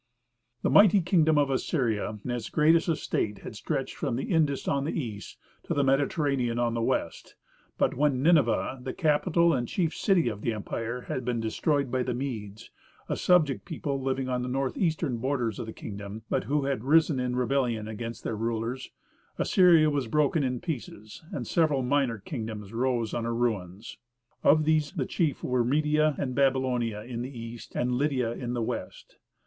The mighty Kingdom of Assyria in its greatest estate had stretched from the Indus on the east, to the Mediterranean on the west. But when Nineveh, the capital and chief city of the empire, had been destroyed by the Medes a subject people living on the north eastern borders of the kingdom, but who had risen in rebellion against their rulers Assyria was broken in pieces, and several minor kingdoms rose on her ruins. Of these the chief were Media and Babylonia in the east, and Lydia in the west.